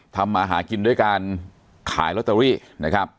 มาหากินด้วยการขายลอตเตอรี่นะครับ